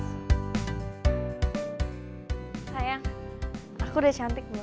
sayang aku udah cantik nih